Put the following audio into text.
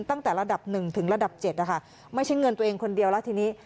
ตั้งแต่ระดับหนึ่งถึงระดับ๗นะคะไม่ใช่เงินตัวเองคนเดียวแล้วทีนี้